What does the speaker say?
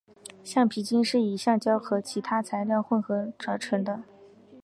橡皮筋是以橡胶和其他材料混合制成的。